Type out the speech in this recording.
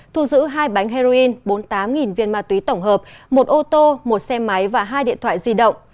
thu giữ hai bánh heroin bốn mươi tám viên ma túy tổng hợp một ô tô một xe máy và hai điện thoại di động